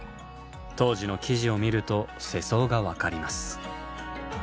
当時の記事を見ると世相が分かります。